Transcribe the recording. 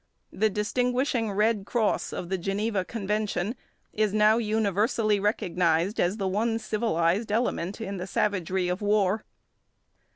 The distinguishing red cross of the Geneva Convention is now universally recognised as the one civilised element in the savagery of war.